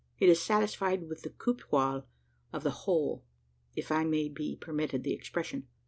It is satisfied with the coup d'oeil of the whole if I may be permitted the expression.